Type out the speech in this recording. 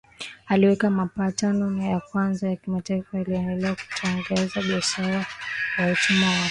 uliweka mapatano ya kwanza ya kimataifa yaliyolenga kukataza biashara ya utumwa Afrika